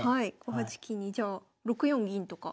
５八金にじゃあ６四銀とか。